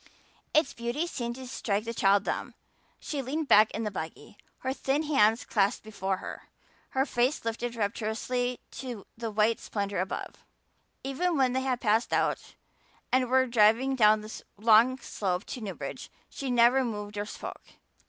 Its beauty seemed to strike the child dumb. She leaned back in the buggy, her thin hands clasped before her, her face lifted rapturously to the white splendor above. Even when they had passed out and were driving down the long slope to Newbridge she never moved or spoke.